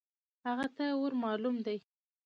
هغه ته ور مالوم دی .